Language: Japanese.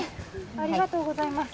ありがとうございます。